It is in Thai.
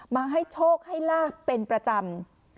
มาให้โชคให้ลาบเป็นประจำ